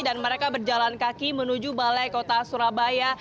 dan mereka berjalan kaki menuju balai kota surabaya